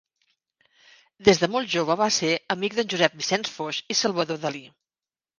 Des de molt jove va ser amic d'en Josep Vicenç Foix i Salvador Dalí.